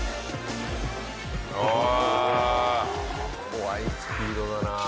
怖いスピードだな。